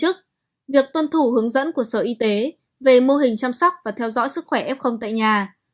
chức việc tuân thủ hướng dẫn của sở y tế về mô hình chăm sóc và theo dõi sức khỏe f tại nhà